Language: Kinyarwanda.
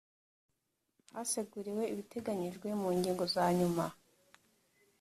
haseguriwe ibiteganyijwe mu ngingo za nyuma